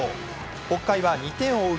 北海は２点を追う